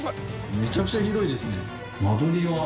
めちゃくちゃ広いですね。